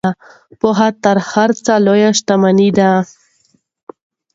پوهه تر هر څه لویه شتمني ده.